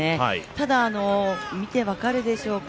ただ見て分かるでしょうか。